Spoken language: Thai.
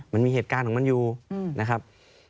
มันมีเหตุการณ์ของมันอยู่นะครับ